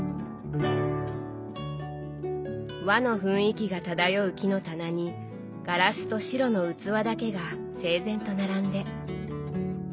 和の雰囲気が漂う木の棚にガラスと白の器だけが整然と並んで。